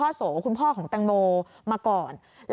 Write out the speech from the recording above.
และคุณพ่อของตังโมมาก่อน